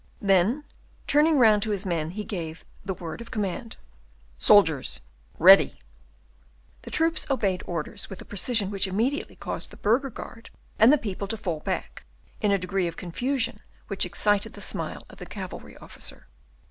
Then, turning round to his men, he gave the word of command, "Soldiers, ready!" The troopers obeyed orders with a precision which immediately caused the burgher guard and the people to fall back, in a degree of confusion which excited the smile of the cavalry officer.